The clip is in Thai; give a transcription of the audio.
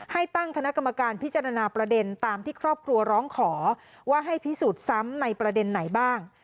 ให้ตั้งคณะกรรมการพิจารณาประเด็นตามที่ครอบครัวร้องขอว่าให้พิสูจน์ซ้ำในประเด็นไหนบ้าง